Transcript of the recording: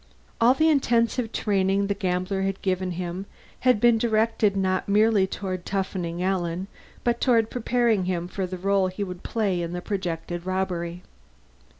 All the intensive training the gambler had given him had been directed not merely toward toughening Alan but toward preparing him for the role he would play in the projected robbery.